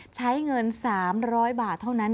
ใช้เงิน๓๐๐บาทเท่านั้น